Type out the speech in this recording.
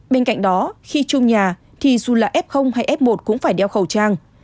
bên cạnh đó khi chung nhà thì dù là f hay f một cũng phải đeo khẩu trang